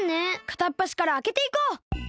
かたっぱしからあけていこう。